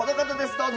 どうぞ！